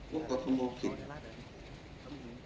ว่ากฐมมอคิด